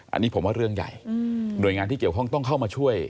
อันนี้ผมว่าเรื่องใหญ่หน่วยงานที่เกี่ยวข้องต้องเข้ามาช่วย